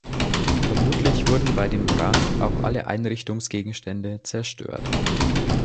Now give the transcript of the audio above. Vermutlich wurden bei dem Brand auch alle Einrichtungsgegenstände zerstört.